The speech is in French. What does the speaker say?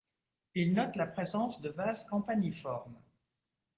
Il note la présence de vases campaniformes.